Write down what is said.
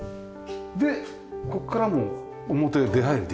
でここからも表へ出入りできるんだ。